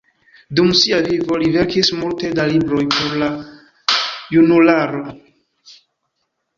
Dum sia vivo li verkis multe da libroj por la junularo.